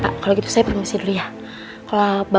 sekarang gue harus nunggu rafael lagi